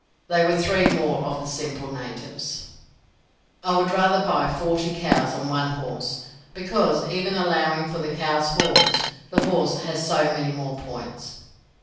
They were three more of the simple natives. I would rather buy forty cows than one horse, because, even allowing for the cow's horns, the horse has so many more points.